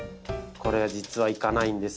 これ実はいかないんですよ。